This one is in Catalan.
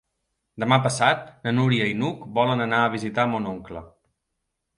Demà passat na Núria i n'Hug volen anar a visitar mon oncle.